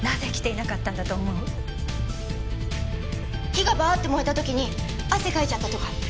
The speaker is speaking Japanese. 火がバーッて燃えた時に汗かいちゃったとか？